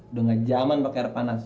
udah gak jaman pake air panas